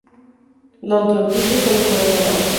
Los gloquidios son de color marrón.